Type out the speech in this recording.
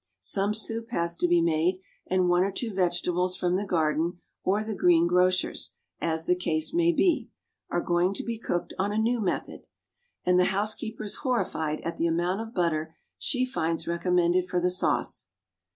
Some soup has to be made, and one or two vegetables from the garden or the greengrocer's, as the case may be, are going to be cooked on a new method, and the housekeeper is horrified at the amount of butter she finds recommended for the sauce.